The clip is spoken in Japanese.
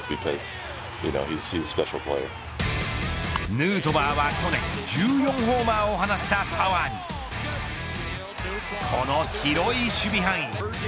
ヌートバーは去年１４ホーマーを放ったパワーにこの広い守備範囲。